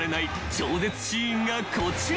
超絶シーンがこちら］